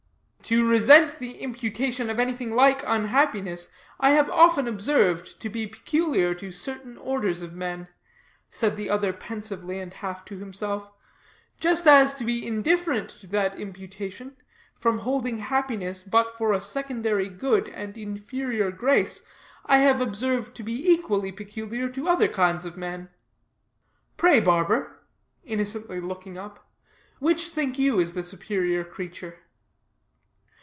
"To resent the imputation of anything like unhappiness I have often observed to be peculiar to certain orders of men," said the other pensively, and half to himself, "just as to be indifferent to that imputation, from holding happiness but for a secondary good and inferior grace, I have observed to be equally peculiar to other kinds of men. Pray, barber," innocently looking up, "which think you is the superior creature?"